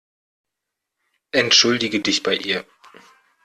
Entschuldige dich bei ihr.